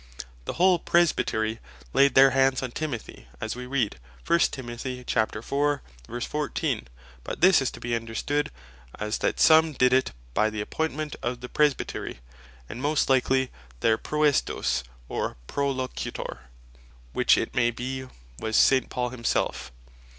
The whole Presbytery Laid their Hands on Timothy, as we read 1 Tim. 4.14. but this is to be understood, as that some did it by the appointment of the Presbytery, and most likely their Proestos, or Prolocutor, which it may be was St. Paul himself.